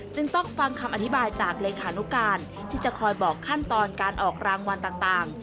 จึงต้องฟังคำอธิบายจากเลขานุการที่จะคอยบอกขั้นตอนการออกรางวัลต่าง